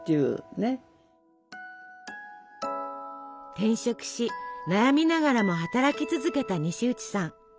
転職し悩みながらも働き続けた西内さん。